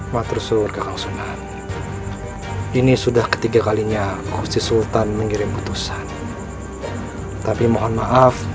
matrusur kekosongan ini sudah ketiga kalinya khusus sultan mengirim putusan tapi mohon maaf